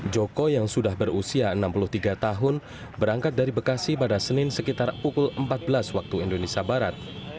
joko yang sudah berusia enam puluh tiga tahun berangkat dari bekasi pada senin sekitar pukul empat belas waktu indonesia barat